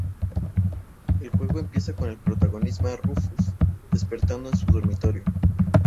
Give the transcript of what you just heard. El juego empieza con el protagonista, Rufus, despertando en su dormitorio.